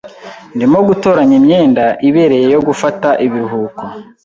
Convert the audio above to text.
Ndimo gutoranya imyenda ibereye yo gufata ibiruhuko.